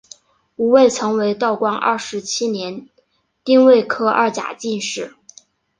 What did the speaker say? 吴慰曾为道光二十七年丁未科二甲进士。